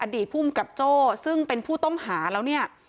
ดีภูมิกับโจ้ซึ่งเป็นผู้ต้องหาแล้วเนี่ย